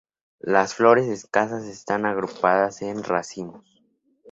Las flores escasas están agrupadas en racimos.